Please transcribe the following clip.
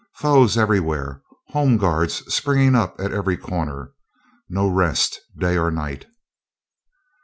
Foes everywhere; Home Guards springing up at every corner; no rest day or night.